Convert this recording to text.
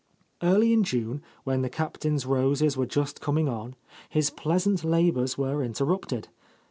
Early in June, when the Captain's roses were just coming on, his pleasant labors were inter rupted.